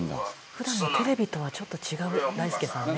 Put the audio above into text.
「普段のテレビとはちょっと違う大輔さんね」